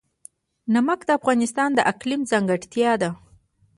نمک د افغانستان د اقلیم ځانګړتیا ده.